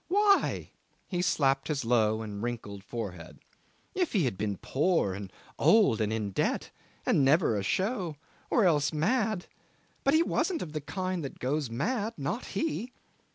Why?" He slapped his low and wrinkled forehead. "If he had been poor and old and in debt and never a show or else mad. But he wasn't of the kind that goes mad, not he.